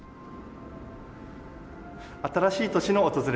新しい年の訪れ。